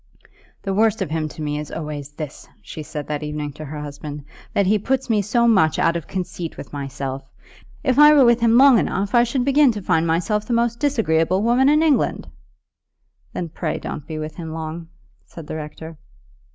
"The worst of him to me is always this," she said that evening to her husband, "that he puts me so much out of conceit with myself. If I were with him long I should begin to find myself the most disagreeable woman in England!" "Then pray don't be with him long," said the rector.